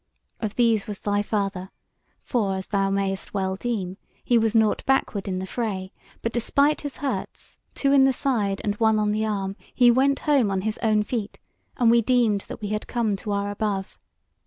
Of these was thy father, for as thou mayst well deem, he was nought backward in the fray; but despite his hurts, two in the side and one on the arm, he went home on his own feet, and we deemed that we had come to our above.